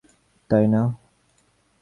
তাই, না?